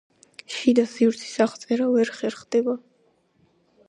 შიდა სივრცის აღწერა ვერ ხერხდება.